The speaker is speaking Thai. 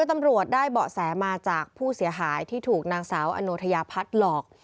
มาจากผู้เสียหายที่ถูกนางสาวอโนทยาพัฒน์หลอก